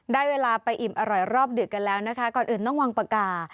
ได้เวลาไปอิ่มอร่อยรอบดึกกันแล้วนะคะก่อนอื่นต้องวางปากกา